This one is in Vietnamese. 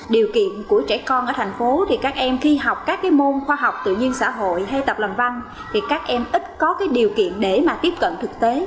điều kiện của trẻ con ở thành phố thì các em khi học các môn khoa học tự nhiên xã hội hay tập làm văn thì các em ít có điều kiện để mà tiếp cận thực tế